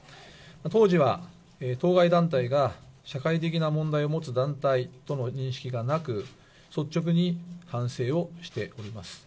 当時は、当該団体が社会的な問題を持つ団体との認識がなく、率直に反省をしております。